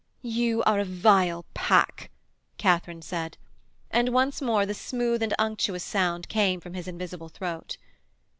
'You are a vile pack,' Katharine said, and once more the smooth and unctuous sound came from his invisible throat.